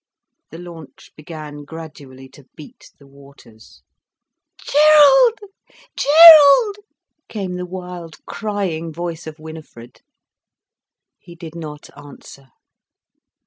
The launch began gradually to beat the waters. "Gerald! Gerald!" came the wild crying voice of Winifred. He did not answer.